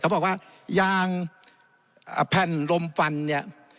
เขาบอกว่ายางแผ่นลมฟันเนี่ย